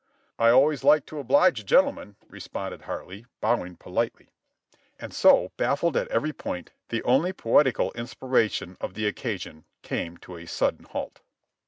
"I always like to oblige a gentleman," responded Hartley, bow ing politely; and so, baffled at every point, the only poetical in spiration of the occasion came to a sudden halt.